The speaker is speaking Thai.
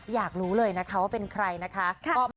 อยากรู้เลยนะคะว่าเป็นใครนะคะ